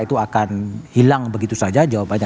itu akan hilang begitu saja jawabannya